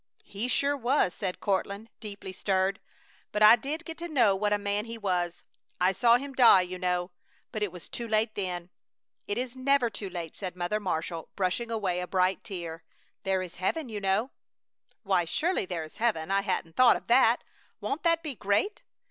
"He sure was!" said Courtland, deeply stirred. "But I did get to know what a man he was. I saw him die, you know! But it was too late then!" "It is never too late!" said Mother Marshall, brushing away a bright tear. "There is heaven, you know!" "Why, surely there is heaven! I hadn't thought of that! Won't that be great?"